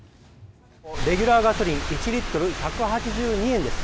レギュラーガソリン１リットル１８２円です。